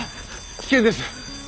危険です！